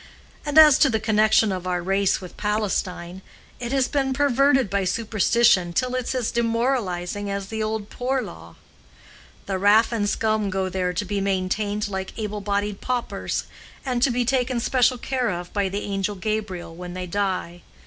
And as to the connection of our race with Palestine, it has been perverted by superstition till it's as demoralizing as the old poor law. The raff and scum go there to be maintained like able bodied paupers, and to be taken special care of by the angel Gabriel when they die.